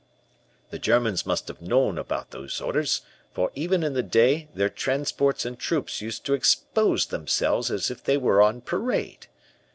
"The Germans must have known about these orders, for even in the day their transports and troops used to expose themselves as if they were on parade.